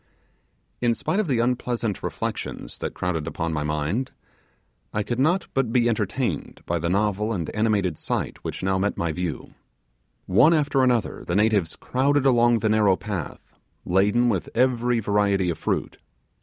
In spite of the unpleasant reflections that crowded upon my mind, I could not but be entertained by the novel and animated sight which by now met my view. One after another the natives crowded along the narrow path, laden with every variety of fruit.